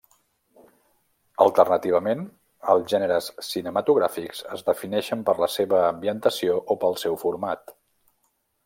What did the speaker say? Alternativament, els gèneres cinematogràfics es defineixen per la seva ambientació o pel seu format.